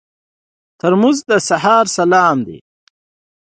ترموز د سهار سلام دی.